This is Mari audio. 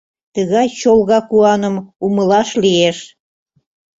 Тыгай чолга куаным Умылаш лиеш.